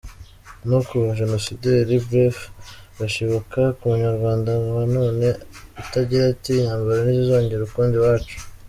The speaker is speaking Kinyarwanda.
no kubagenosideri, bref bashibuka k’umunyarwanda wa none, utagira ati, intambara ntizizongere ukundi iwacu.